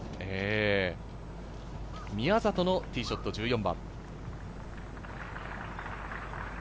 宮里のティーショット、１４番。